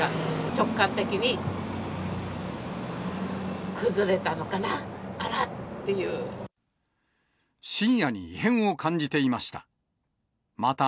直感的に、崩れたのかな、深夜に異変を感じていました。